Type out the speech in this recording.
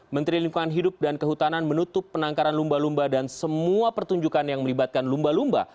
menteri lingkungan hidup dan kehutanan menutup penangkaran lumba lumba dan semua pertunjukan yang melibatkan lumba lumba